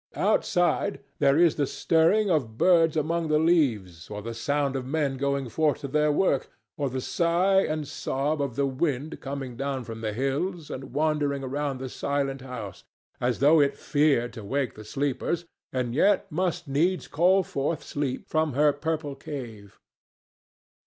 Outside, there is the stirring of birds among the leaves, or the sound of men going forth to their work, or the sigh and sob of the wind coming down from the hills and wandering round the silent house, as though it feared to wake the sleepers and yet must needs call forth sleep from her purple cave.